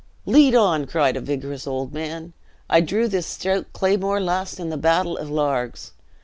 "Lead on!" cried a vigorous old man. "I drew this stout claymore last in the battle of Largs.